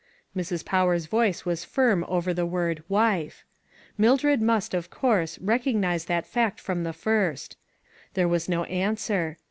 Mrs. Powers' voice was firm over the word " wife." Mildred must, of course, rec ognize that fact from the first. There was no answer.